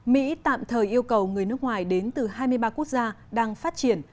mỹ tạm thời yêu cầu người nước ngoài đến từ hai mươi ba quốc gia đang phát triển